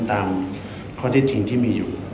ตามข้อที่จริงที่มีอยู่